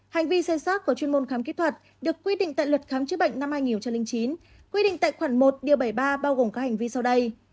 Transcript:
hành vi xem xác của chuyên môn khám kỹ thuật được quy định tại luật khám chữa bệnh năm hai nghìn chín quy định tại khoản một điều bảy mươi ba bao gồm các hành vi sau đây